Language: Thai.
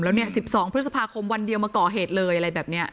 แล้วเนี่ย๑๒พฤษภาคมวันเดียวมาก่อเหตุเลยอะไรแบบนี้